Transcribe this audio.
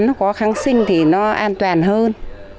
nó có kháng sinh thì nó an toàn hơn